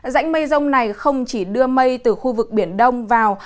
dãnh mây rông này không chỉ đưa mây từ khu vực biển đông vào